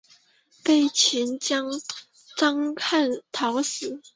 被秦将章邯讨死。